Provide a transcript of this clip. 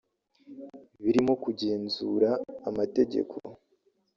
birimo kugenzura amategeko